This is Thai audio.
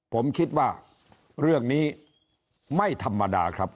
ผมคิดว่าเรื่องนี้ไม่ธรรมดาครับ